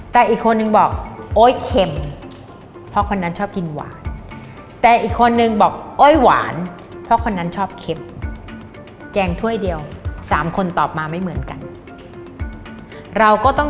แต่อีกคนนึงบอกโอ๊ยเข็มเพราะคนนั้นชอบกินหวานแต่อีกคนนึงบอกโอ๊ยหวานเพราะคนนั้นชอบเค็มแกงถ้วยเดียว๓คนตอบมาไม่เหมือนกันเราก็ต้อง